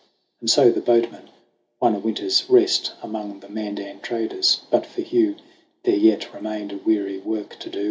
And so the boatman won a winter's rest Among the Mandan traders : but for Hugh There yet remained a weary work to do.